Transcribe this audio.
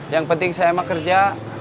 yang penting saya emang kerja